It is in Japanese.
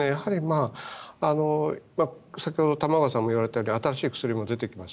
先ほど玉川さんも言われたように新しい薬も出てきています。